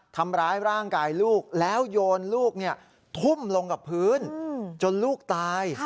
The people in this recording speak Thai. ทำร้ายร่างกายลูกแล้วโยนลูกทุ่มลงกับพื้นจนลูกตาย